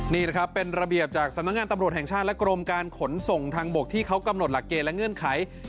นี่นะครับเป็นระเบียบจากสำนักงานตำรวจแห่งชาติและกรมการขนส่งทางบกที่เขากำหนดหลักเกณฑ์และเงื่อนไข